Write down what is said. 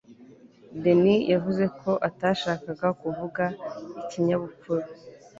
denis yavuze ko atashakaga kuvuga ikinyabupfura